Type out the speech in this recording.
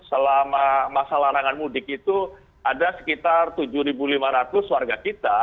selama masa larangan mudik itu ada sekitar tujuh lima ratus warga kita